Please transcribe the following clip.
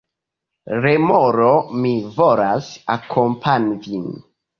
Remoro: "Mi volas akompani vin."